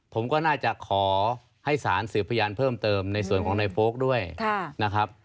ผมก็น่าจะขอให้สารสืบพยานเพิ่มเติมในส่วนของในโฟลกด้วยนะครับ